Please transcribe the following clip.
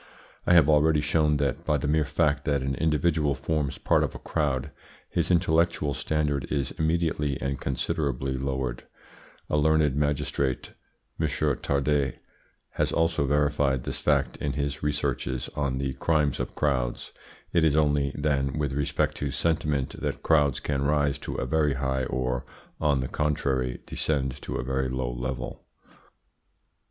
I have already shown that, by the mere fact that an individual forms part of a crowd, his intellectual standard is immediately and considerably lowered. A learned magistrate, M. Tarde, has also verified this fact in his researches on the crimes of crowds. It is only, then, with respect to sentiment that crowds can rise to a very high or, on the contrary, descend to a very low level.